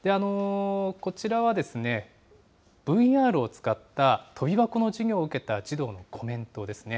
こちらは、ＶＲを使ったとび箱の授業を受けた児童のコメントですね。